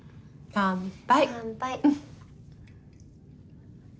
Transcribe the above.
乾杯。